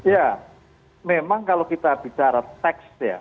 ya memang kalau kita bicara teks ya